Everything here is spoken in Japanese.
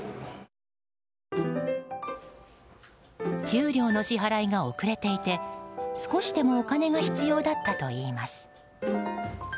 給料の支払いが遅れていて少しでもお金が必要だったといいます。